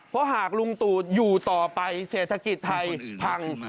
เพราะหากลุงตู่อยู่ต่อไปเศรษฐกิจไทยพัง